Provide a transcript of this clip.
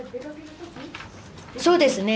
そうですね。